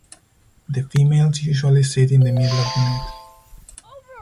The females usually sit in the middle of the net.